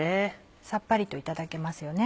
さっぱりといただけますよね。